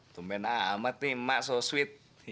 tumben amat nih mak so sweet